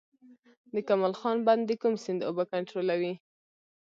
د کمال خان بند د کوم سیند اوبه کنټرولوي؟